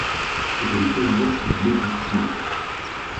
Recoñeceu a voz de Lucas Pires.